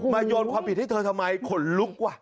โยนความผิดให้เธอทำไมขนลุกว่ะ